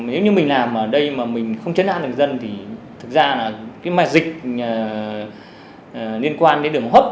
nếu như mình làm ở đây mà mình không chấn hạn được dân thì thật ra là cái dịch liên quan đến đường hấp